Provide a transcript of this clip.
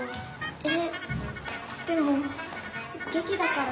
えっでもげきだからさ。